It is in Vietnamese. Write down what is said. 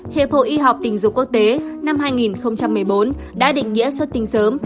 hiệp hội y học tình dục quốc tế năm hai nghìn một mươi bốn đã định nghĩa xuất tinh sớm